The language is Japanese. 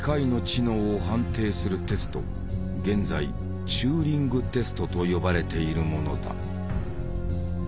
現在「チューリング・テスト」と呼ばれているものだ。